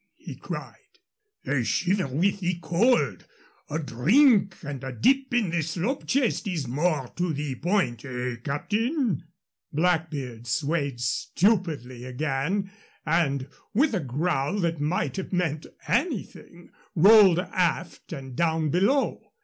he cried. "They shiver with the cold. A drink and a dip in the slop chest is more to the point eh, captain?" Blackbeard swayed stupidly again, and, with a growl that might have meant anything, rolled aft and down below.